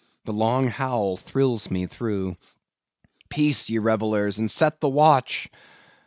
The long howl thrills me through! Peace! ye revellers, and set the watch!